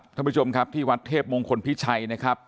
ท่านผู้ชมครับที่วัดเทพมงคลพิชัยนะครับ